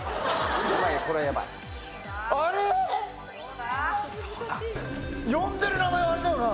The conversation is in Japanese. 呼んでる名前はあれだよな。